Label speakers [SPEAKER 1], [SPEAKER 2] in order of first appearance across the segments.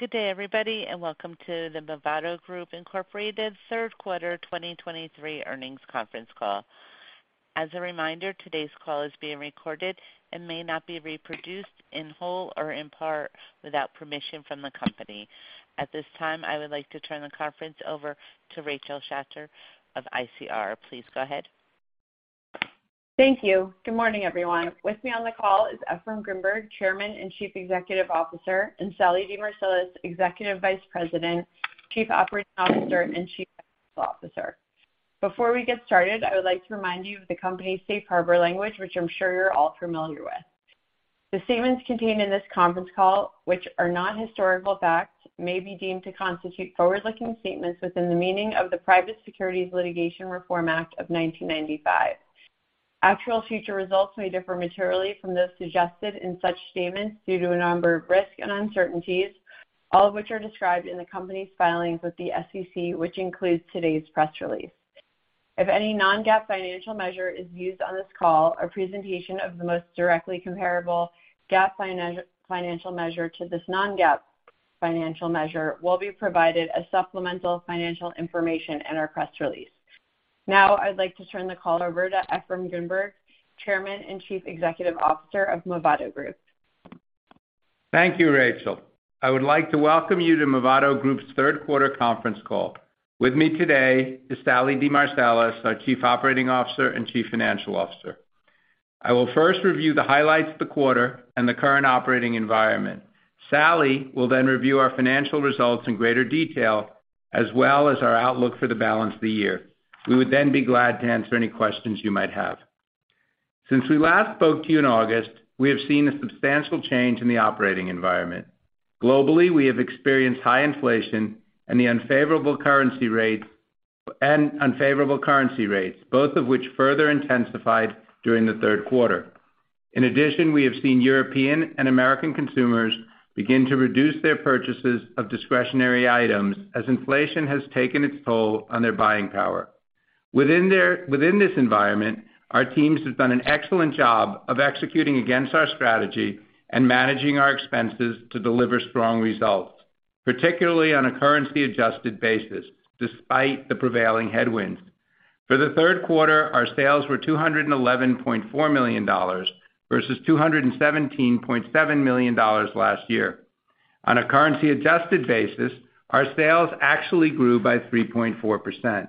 [SPEAKER 1] Good day, everybody. Welcome to the Movado Group, Inc. third quarter 2023 earnings conference call. As a reminder, today's call is being recorded and may not be reproduced in whole or in part without permission from the company. At this time, I would like to turn the conference over to Rachel Schacter of ICR. Please go ahead.
[SPEAKER 2] Thank you. Good morning, everyone. With me on the call is Efraim Grinberg, Chairman and Chief Executive Officer, and Sallie DeMarsilis, Executive Vice President, Chief Operating Officer, and Chief Financial Officer. Before we get started, I would like to remind you of the company's safe harbor language, which I'm sure you're all familiar with. The statements contained in this conference call, which are not historical facts, may be deemed to constitute forward-looking statements within the meaning of the Private Securities Litigation Reform Act of 1995. Actual future results may differ materially from those suggested in such statements due to a number of risks and uncertainties, all of which are described in the company's filings with the SEC, which includes today's press release. If any non-GAAP financial measure is used on this call or presentation of the most directly comparable GAAP financial measure to this non-GAAP financial measure will be provided as supplemental financial information in our press release. I'd like to turn the call over to Efraim Grinberg, Chairman and Chief Executive Officer of Movado Group.
[SPEAKER 3] Thank you, Rachel. I would like to welcome you to Movado Group's third quarter conference call. With me today is Sallie DeMarsilis, our Chief Operating Officer and Chief Financial Officer. I will first review the highlights of the quarter and the current operating environment. Sallie will then review our financial results in greater detail as well as our outlook for the balance of the year. We would then be glad to answer any questions you might have. Since we last spoke to you in August, we have seen a substantial change in the operating environment. Globally, we have experienced high inflation and the unfavorable currency rates, both of which further intensified during the third quarter. In addition, we have seen European and American consumers begin to reduce their purchases of discretionary items as inflation has taken its toll on their buying power. Within this environment, our teams have done an excellent job of executing against our strategy and managing our expenses to deliver strong results, particularly on a currency-adjusted basis, despite the prevailing headwinds. For the third quarter, our sales were $211.4 million versus $217.7 million last year. On a currency-adjusted basis, our sales actually grew by 3.4%.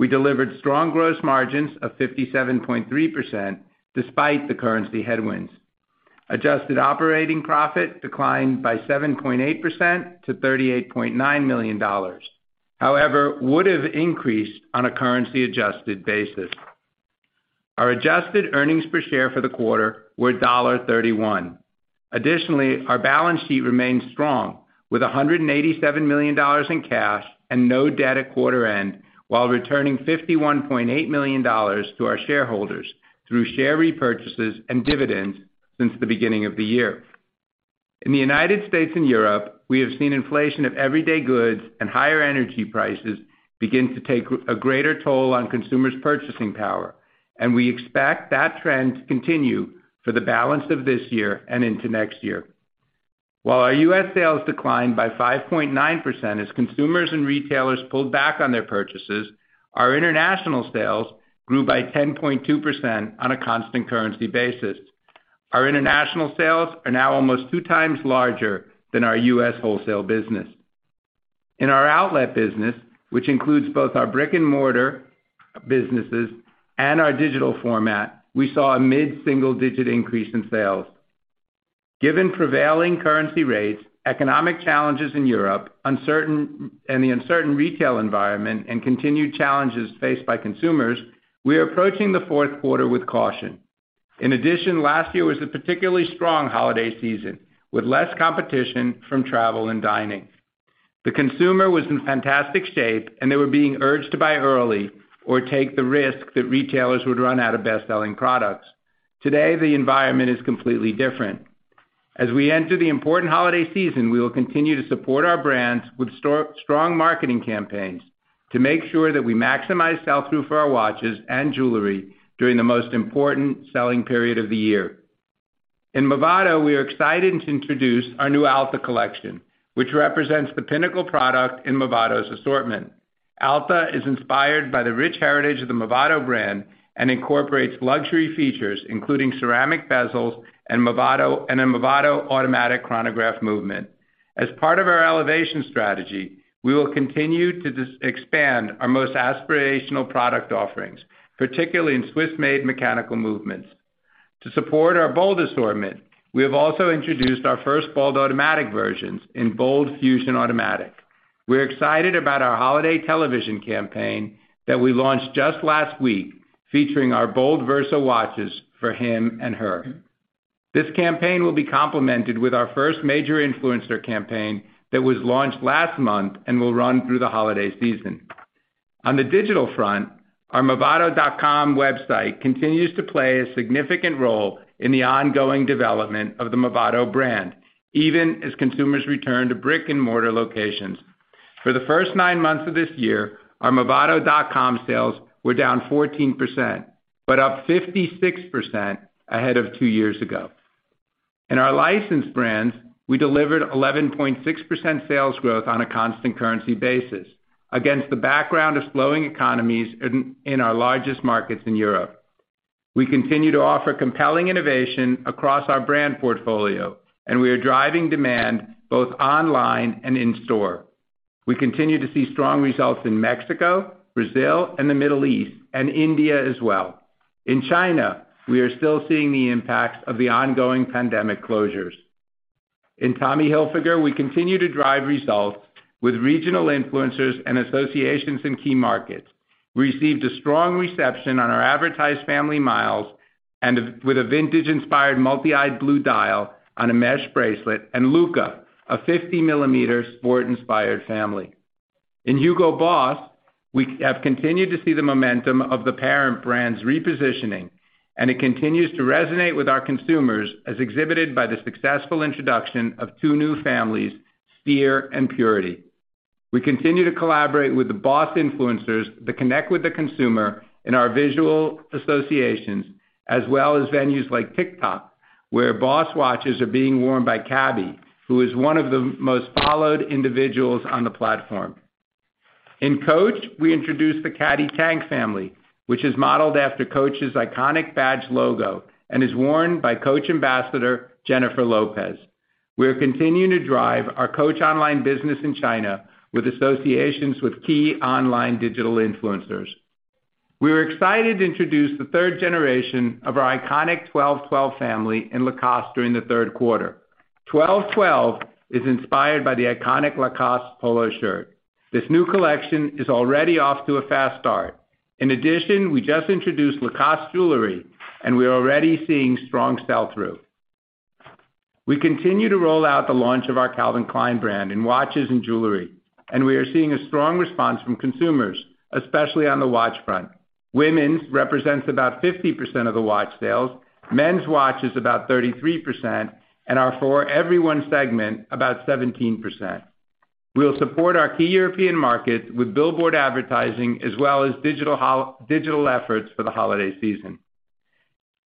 [SPEAKER 3] We delivered strong gross margins of 57.3% despite the currency headwinds. Adjusted operating profit declined by 7.8% to $38.9 million, however, would have increased on a currency-adjusted basis. Our adjusted earnings per share for the quarter were $1.31. Additionally, our balance sheet remains strong with $187 million in cash and no debt at quarter end while returning $51.8 million to our shareholders through share repurchases and dividends since the beginning of the year. We expect that trend to continue for the balance of this year and into next year. While our U.S. sales declined by 5.9% as consumers and retailers pulled back on their purchases, our international sales grew by 10.2% on a constant currency basis. Our international sales are now almost 2 times larger than our U.S. wholesale business. In our outlet business, which includes both our brick-and-mortar businesses and our digital format, we saw a mid-single-digit increase in sales. Given prevailing currency rates, economic challenges in Europe, and the uncertain retail environment and continued challenges faced by consumers, we are approaching the fourth quarter with caution. Last year was a particularly strong holiday season, with less competition from travel and dining. The consumer was in fantastic shape, and they were being urged to buy early or take the risk that retailers would run out of best-selling products. Today, the environment is completely different. As we enter the important holiday season, we will continue to support our brands with strong marketing campaigns to make sure that we maximize sell-through for our watches and jewelry during the most important selling period of the year. In Movado, we are excited to introduce our new Alta collection, which represents the pinnacle product in Movado's assortment. Alta is inspired by the rich heritage of the Movado brand and incorporates luxury features, including ceramic bezels and a Movado automatic chronograph movement. As part of our elevation strategy, we will continue to expand our most aspirational product offerings, particularly in Swiss-made mechanical movements. To support our BOLD assortment, we have also introduced our first BOLD automatic versions in BOLD Fusion Automatic. We're excited about our holiday television campaign that we launched just last week featuring our BOLD Verso watches for him and her. This campaign will be complemented with our first major influencer campaign that was launched last month and will run through the holiday season. On the digital front, our movado.com website continues to play a significant role in the ongoing development of the Movado brand, even as consumers return to brick-and-mortar locations. For the first two years of this year, our movado.com sales were down 14%, but up 56% ahead of two years ago. In our licensed brands, we delivered 11.6% sales growth on a constant currency basis against the background of slowing economies in our largest markets in Europe. We continue to offer compelling innovation across our brand portfolio, we are driving demand both online and in store. We continue to see strong results in Mexico, Brazil, and the Middle East, and India as well. In China, we are still seeing the impacts of the ongoing pandemic closures. In Tommy Hilfiger, we continue to drive results with regional influencers and associations in key markets. We received a strong reception on our Alta Family models and with a vintage-inspired multi-eyed blue dial on a mesh bracelet, and Luno, a 50-millimeter sport-inspired family. In Hugo Boss, we have continued to see the momentum of the parent brand's repositioning, and it continues to resonate with our consumers, as exhibited by the successful introduction of two new families, Spero and Purity. We continue to collaborate with the BOSS influencers that connect with the consumer in our visual associations, as well as venues like TikTok, where BOSS watches are being worn by Khaby Lame, who is one of the most followed individuals on the platform. In Coach, we introduced the Cadie Tank family, which is modeled after Coach's iconic badge logo and is worn by Coach Ambassador Jennifer Lopez. We are continuing to drive our Coach online business in China with associations with key online digital influencers. We were excited to introduce the third generation of our iconic 12.12 family in Lacoste during the third quarter. 12.12 is inspired by the iconic Lacoste polo shirt. This new collection is already off to a fast start. In addition, we just introduced Lacoste jewelry, and we are already seeing strong sell-through. We continue to roll out the launch of our Calvin Klein brand in watches and jewelry, and we are seeing a strong response from consumers, especially on the watch front. Women's represents about 50% of the watch sales. Men's watch is about 33%, and our for everyone segment, about 17%. We'll support our key European markets with billboard advertising as well as digital efforts for the holiday season.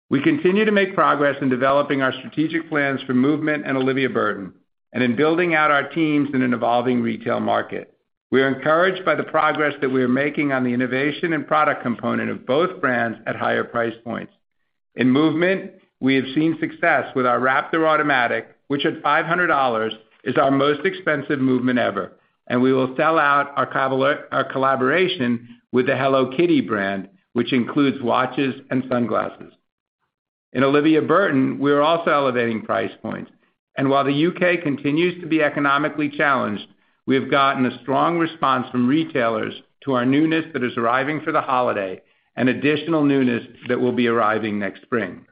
[SPEAKER 3] We continue to make progress in developing our strategic plans for MVMT and Olivia Burton and in building out our teams in an evolving retail market. We are encouraged by the progress that we are making on the innovation and product component of both brands at higher price points. In MVMT, we have seen success with our Raptor Automatic, which at $500 is our most expensive MVMT ever, and we will sell out our collaboration with the Hello Kitty brand, which includes watches and sunglasses. In Olivia Burton, we are also elevating price points. While the U.K. continues to be economically challenged, we have gotten a strong response from retailers to our newness that is arriving for the holiday and additional newness that will be arriving next spring.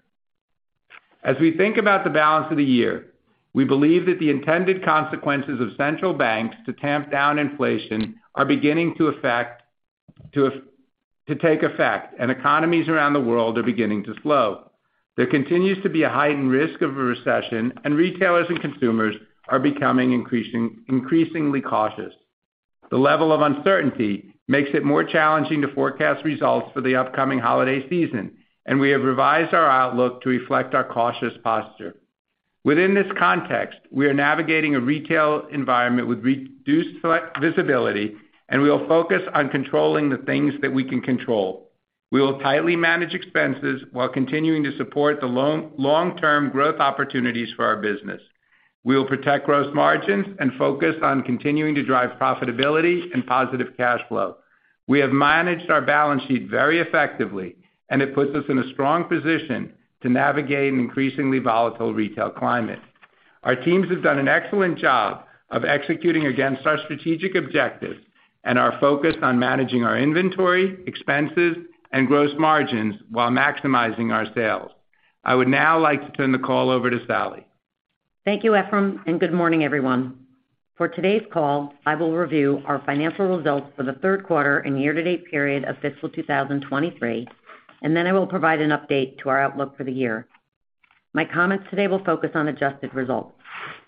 [SPEAKER 3] As we think about the balance of the year, we believe that the intended consequences of central banks to tamp down inflation are beginning to affect, to take effect, and economies around the world are beginning to slow. There continues to be a heightened risk of a recession, and retailers and consumers are becoming increasingly cautious. The level of uncertainty makes it more challenging to forecast results for the upcoming holiday season, and we have revised our outlook to reflect our cautious posture. Within this context, we are navigating a retail environment with reduced visibility, and we will focus on controlling the things that we can control. We will tightly manage expenses while continuing to support the long-term growth opportunities for our business. We will protect gross margins and focus on continuing to drive profitability and positive cash flow. We have managed our balance sheet very effectively, and it puts us in a strong position to navigate an increasingly volatile retail climate. Our teams have done an excellent job of executing against our strategic objectives and are focused on managing our inventory, expenses, and gross margins while maximizing our sales. I would now like to turn the call over to Sallie.
[SPEAKER 4] Thank you, Efraim. Good morning, everyone. For today's call, I will review our financial results for the third quarter and year-to-date period of fiscal 2023. Then I will provide an update to our outlook for the year. My comments today will focus on adjusted results.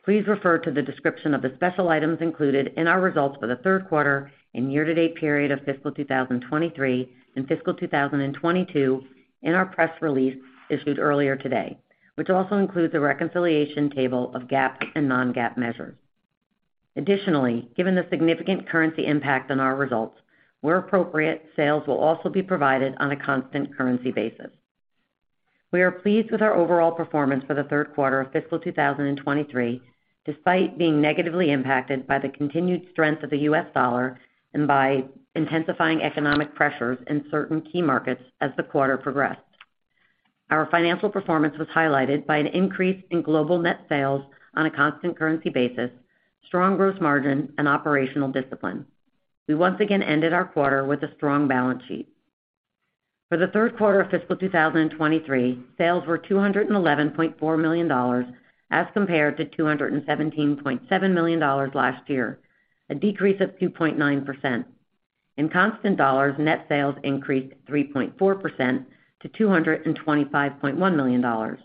[SPEAKER 4] Please refer to the description of the special items included in our results for the third quarter and year-to-date period of fiscal 2023 and fiscal 2022 in our press release issued earlier today, which also includes a reconciliation table of GAAP and non-GAAP measures. Given the significant currency impact on our results, where appropriate, sales will also be provided on a constant currency basis. We are pleased with our overall performance for the third quarter of fiscal 2023, despite being negatively impacted by the continued strength of the U.S. dollar and by intensifying economic pressures in certain key markets as the quarter progressed. Our financial performance was highlighted by an increase in global net sales on a constant currency basis, strong gross margin, and operational discipline. We once again ended our quarter with a strong balance sheet. For the third quarter of fiscal 2023, sales were $211.4 million as compared to $217.7 million last year, a decrease of 2.9%. In constant dollars, net sales increased 3.4% to $225.1 million.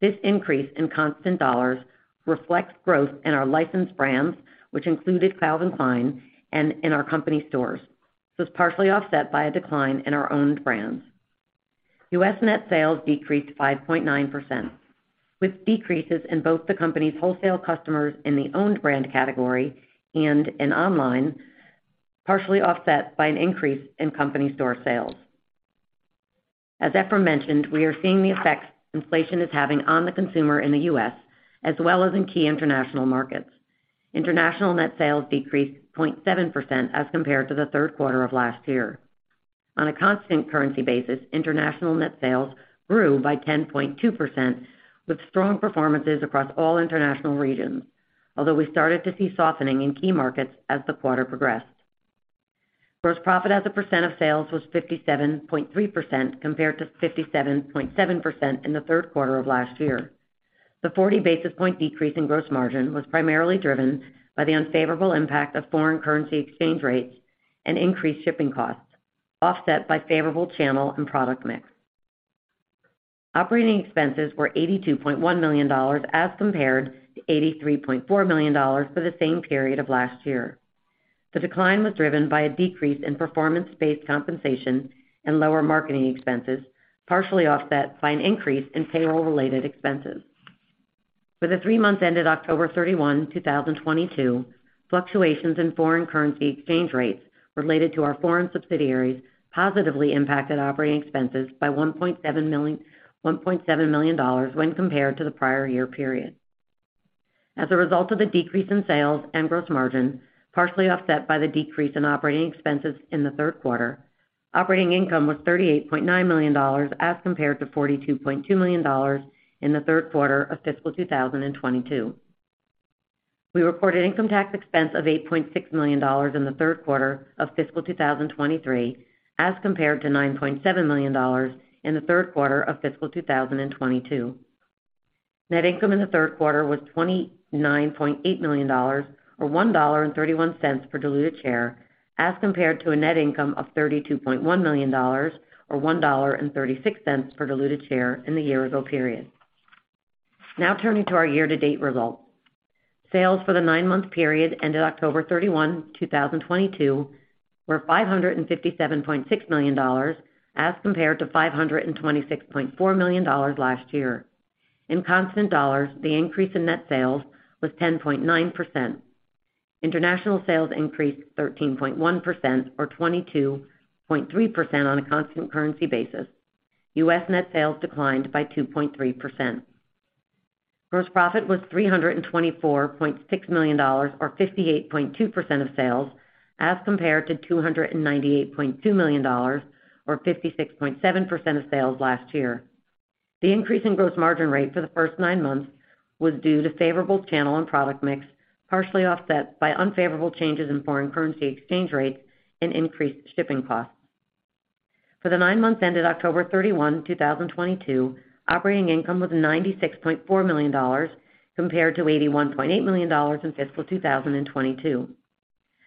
[SPEAKER 4] This increase in constant dollars reflects growth in our licensed brands, which included Calvin Klein and in our company stores. It's partially offset by a decline in our owned brands. U.S. net sales decreased 5.9%, with decreases in both the company's wholesale customers in the owned brand category and in online, partially offset by an increase in company store sales. As Efraim mentioned, we are seeing the effects inflation is having on the consumer in the U.S. as well as in key international markets. International net sales decreased 0.7% as compared to the third quarter of last year. On a constant currency basis, international net sales grew by 10.2%, with strong performances across all international regions. We started to see softening in key markets as the quarter progressed. Gross profit as a percent of sales was 57.3% compared to 57.7% in the third quarter of last year. The 40 basis point decrease in gross margin was primarily driven by the unfavorable impact of foreign currency exchange rates and increased shipping costs, offset by favorable channel and product mix. Operating expenses were $82.1 million as compared to $83.4 million for the same period of last year. The decline was driven by a decrease in performance-based compensation and lower marketing expenses, partially offset by an increase in payroll-related expenses. For the three months ended October 31, 2022, fluctuations in foreign currency exchange rates related to our foreign subsidiaries positively impacted operating expenses by $1.7 million when compared to the prior year period. As a result of the decrease in sales and gross margin, partially offset by the decrease in operating expenses in the third quarter, operating income was $38.9 million as compared to $42.2 million in the third quarter of fiscal 2022. We reported income tax expense of $8.6 million in the third quarter of fiscal 2023 as compared to $9.7 million in the third quarter of fiscal 2022. Net income in the third quarter was $29.8 million or $1.31 per diluted share as compared to a net income of $32.1 million or $1.36 per diluted share in the year-ago period. Turning to our year-to-date results. Sales for the nine-month period ended October 31, 2022 were $557.6 million as compared to $526.4 million last year. In constant dollars, the increase in net sales was 10.9%. International sales increased 13.1% or 22.3% on a constant currency basis. U.S. net sales declined by 2.3%. Gross profit was $324.6 million or 58.2% of sales as compared to $298.2 million or 56.7% of sales last year. The increase in gross margin rate for the first nine months was due to favorable channel and product mix, partially offset by unfavorable changes in foreign currency exchange rates and increased shipping costs. For the nine months ended October 31, 2022, operating income was $96.4 million compared to $81.8 million in fiscal 2022.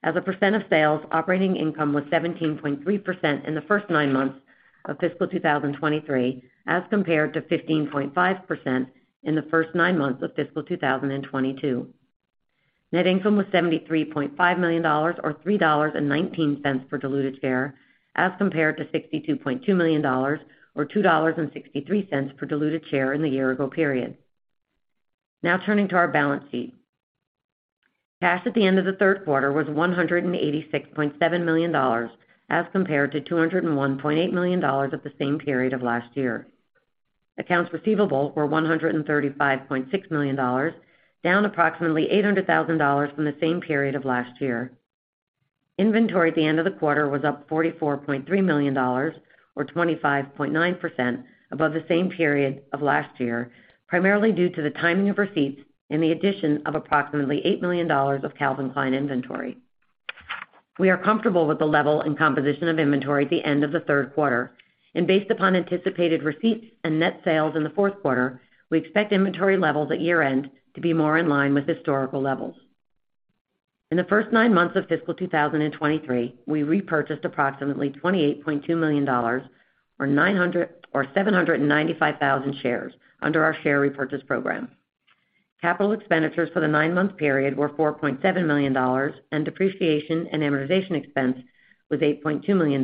[SPEAKER 4] As a % of sales, operating income was 17.3% in the first nine months of fiscal 2023 as compared to 15.5% in the first nine months of fiscal 2022. Net income was $73.5 million or $3.19 per diluted share as compared to $62.2 million or $2.63 per diluted share in the year-ago period. Turning to our balance sheet. Cash at the end of the third quarter was $186.7 million as compared to $201.8 million at the same period of last year. Accounts receivable were $135.6 million, down approximately 800,000 from the same period of last year. Inventory at the end of the quarter was up $44.3 million or 25.9% above the same period of last year, primarily due to the timing of receipts and the addition of approximately $8 million of Calvin Klein inventory. We are comfortable with the level and composition of inventory at the end of the third quarter, and based upon anticipated receipts and net sales in the fourth quarter, we expect inventory levels at year-end to be more in line with historical levels. In the first nine months of fiscal 2023, we repurchased approximately $28.2 million or 795,000 shares under our share repurchase program. Capital expenditures for the nine-month period were $4.7 million, and depreciation and amortization expense was $8.2 million,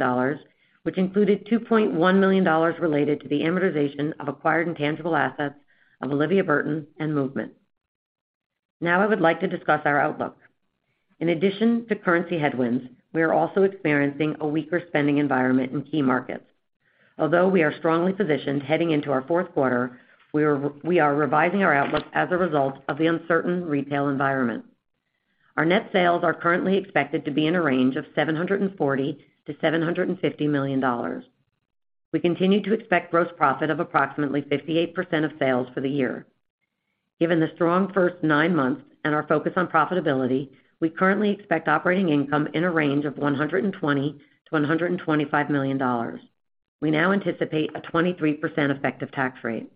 [SPEAKER 4] which included $2.1 million related to the amortization of acquired intangible assets of Olivia Burton and MVMT. Now I would like to discuss our outlook. In addition to currency headwinds, we are also experiencing a weaker spending environment in key markets. Although we are strongly positioned heading into our fourth quarter, we are revising our outlook as a result of the uncertain retail environment. Our net sales are currently expected to be in a range of $740 million-$750 million. We continue to expect gross profit of approximately 58% of sales for the year. Given the strong first nine months and our focus on profitability, we currently expect operating income in a range of $120 million-$125 million. We now anticipate a 23% effective tax rate.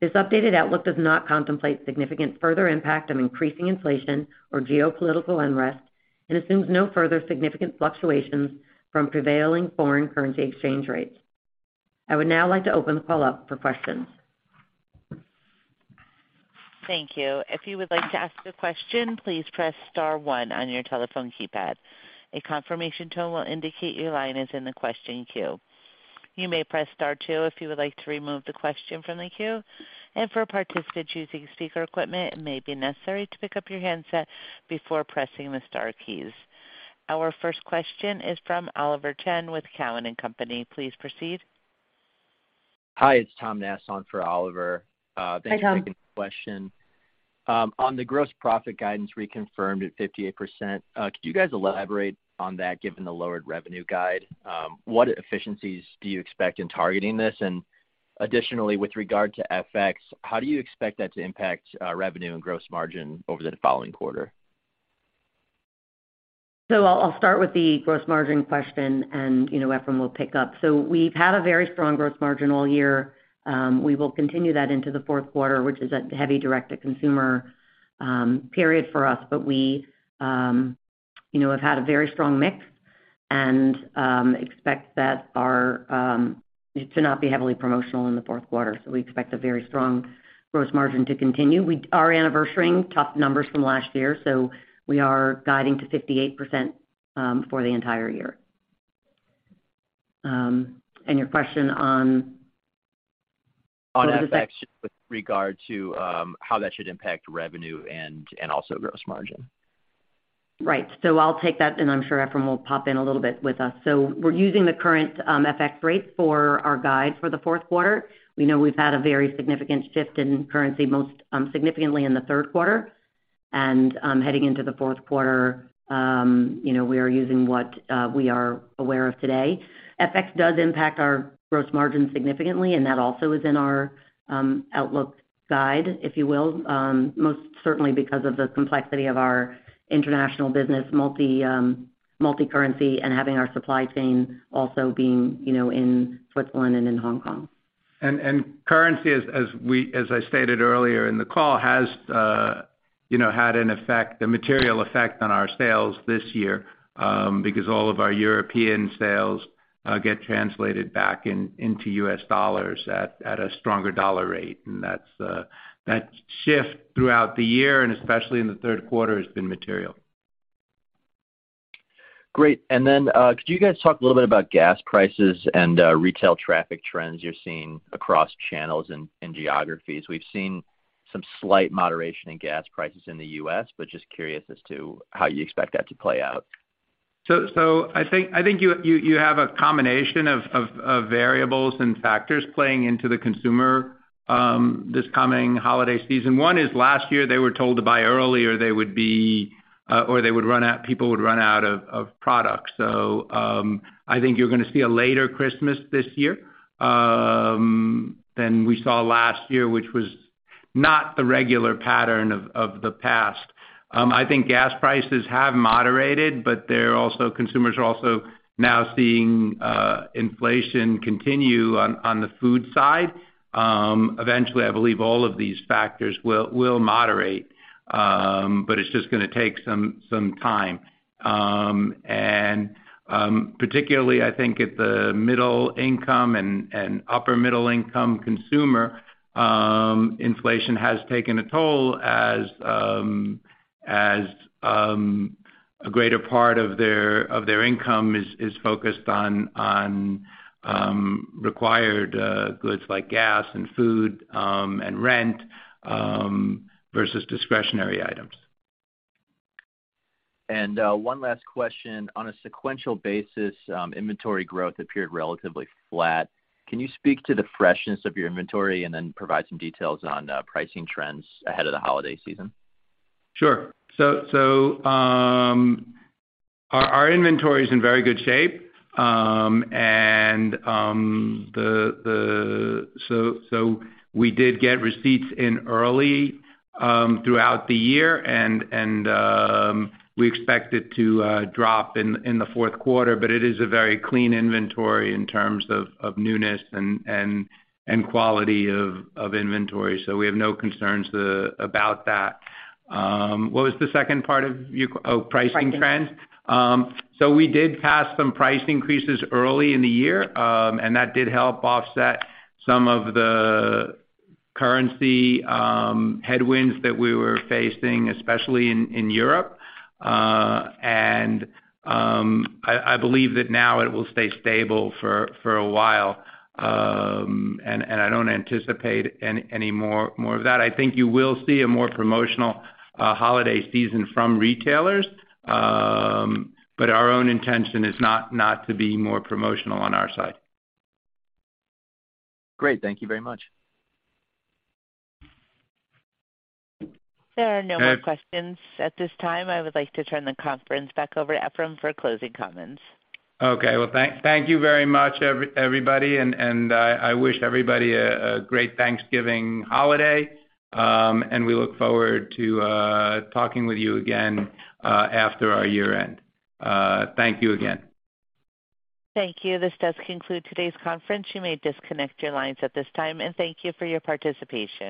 [SPEAKER 4] This updated outlook does not contemplate significant further impact of increasing inflation or geopolitical unrest. Assumes no further significant fluctuations from prevailing foreign currency exchange rates. I would now like to open the call up for questions.
[SPEAKER 1] Thank you. If you would like to ask a question, please press star one on your telephone keypad. A confirmation tone will indicate your line is in the question queue. You may press star two if you would like to remove the question from the queue. For participants using speaker equipment, it may be necessary to pick up your handset before pressing the star keys. Our first question is from Oliver Chen with Cowen and Company. Please proceed.
[SPEAKER 5] Hi, it's Tom Nass on for Oliver.
[SPEAKER 4] Hi, Tom.
[SPEAKER 5] Thanks for taking the question. On the gross profit guidance reconfirmed at 58%, could you guys elaborate on that, given the lowered revenue guide? What efficiencies do you expect in targeting this? Additionally, with regard to FX, how do you expect that to impact revenue and gross margin over the following quarter?
[SPEAKER 4] I'll start with the gross margin question and, you know, Efraim will pick up. We've had a very strong gross margin all year. We will continue that into the fourth quarter, which is a heavy direct-to-consumer period for us. We, you know, have had a very strong mix and expect that our it should not be heavily promotional in the fourth quarter. We expect a very strong gross margin to continue. We are anniversaring tough numbers from last year, so we are guiding to 58% for the entire year. Your question on...
[SPEAKER 5] On FX with regard to, how that should impact revenue and also gross margin.
[SPEAKER 4] Right. I'll take that, and I'm sure Efraim will pop in a little bit with us. We're using the current FX rate for our guide for the fourth quarter. We know we've had a very significant shift in currency, most significantly in the third quarter. Heading into the fourth quarter, you know, we are using what we are aware of today. FX does impact our gross margin significantly, and that also is in our outlook guide, if you will, most certainly because of the complexity of our international business, multi-currency and having our supply chain also being, you know, in Switzerland and in Hong Kong.
[SPEAKER 3] Currency as we, as I stated earlier in the call, has, you know, had an effect, a material effect on our sales this year, because all of our European sales get translated back into U.S. dollars at a stronger dollar rate. That's that shift throughout the year and especially in the third quarter has been material.
[SPEAKER 5] Great. Could you guys talk a little bit about gas prices and retail traffic trends you're seeing across channels and geographies? We've seen some slight moderation in gas prices in the U.S., but just curious as to how you expect that to play out.
[SPEAKER 3] I think you have a combination of variables and factors playing into the consumer this coming holiday season. One is last year, they were told to buy early or they would be or they would run out, people would run out of product. I think you're gonna see a later Christmas this year than we saw last year, which was not the regular pattern of the past. I think gas prices have moderated, but consumers are also now seeing inflation continue on the food side. Eventually, I believe all of these factors will moderate, but it's just gonna take some time. Particularly, I think at the middle income and upper middle income consumer, inflation has taken a toll as a greater part of their income is focused on required goods like gas and food, and rent, versus discretionary items.
[SPEAKER 5] One last question. On a sequential basis, inventory growth appeared relatively flat. Can you speak to the freshness of your inventory and then provide some details on pricing trends ahead of the holiday season?
[SPEAKER 3] Sure. Our inventory is in very good shape. We did get receipts in early throughout the year and we expect it to drop in the fourth quarter, but it is a very clean inventory in terms of newness and quality of inventory. We have no concerns about that. What was the second part of your? Oh, pricing trends?
[SPEAKER 4] Pricing.
[SPEAKER 3] We did pass some price increases early in the year, and that did help offset some of the currency headwinds that we were facing, especially in Europe. I believe that now it will stay stable for a while. I don't anticipate any more of that. I think you will see a more promotional holiday season from retailers, but our own intention is not to be more promotional on our side.
[SPEAKER 5] Great. Thank you very much.
[SPEAKER 1] There are no more questions at this time. I would like to turn the conference back over to Efraim for closing comments.
[SPEAKER 3] Okay. Well, thank you very much, everybody, and I wish everybody a great Thanksgiving holiday. We look forward to talking with you again after our year-end. Thank you again.
[SPEAKER 1] Thank you. This does conclude today's conference. You may disconnect your lines at this time, and thank you for your participation.